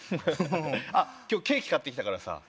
あ今日ケーキ買ってきたからさ